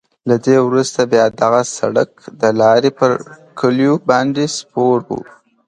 له دې وروسته بیا دغه سړک د لارې پر کلیو باندې سپور وو.